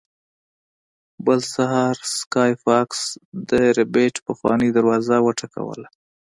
بل سهار سلای فاکس د ربیټ پخوانۍ دروازه وټکوله